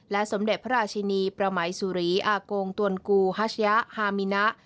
สมเด็จพระราชินีประมัยสุรีอากงตวนกูฮัชยะฮามินะ